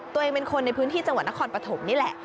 ตัวเองเป็นคนในพื้นที่จังหวัดนครปฐมนี่แหละ